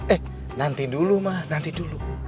eh nanti dulu mah nanti dulu